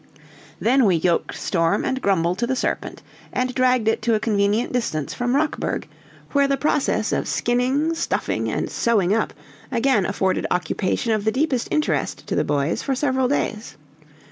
Then we yoked Storm and Grumble to the serpent, and dragged it to a convenient distance from Rockburg, where the process of skinning, stuffing, and sewing up again afforded occupation of the deepest interest to the boys for several days.